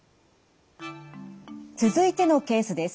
続いてのケースです。